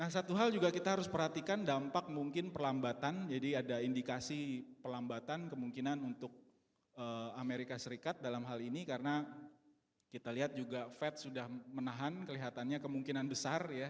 satu hal juga kita harus perhatikan dampak mungkin perlambatan jadi ada indikasi pelambatan kemungkinan untuk amerika serikat dalam hal ini karena kita lihat juga fed sudah menahan kelihatannya kemungkinan besar ya